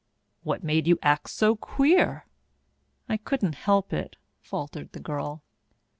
"What made you act so queer?" "I couldn't help it," faltered the girl.